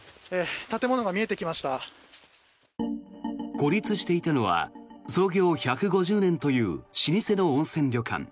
孤立していたのは創業１５０年という老舗の温泉旅館。